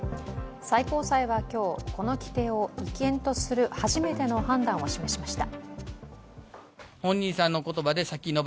最高裁は今日、この規定を違憲とする初めての判断を示しました。